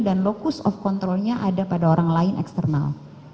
dan locus of control nya ada pada orang lain external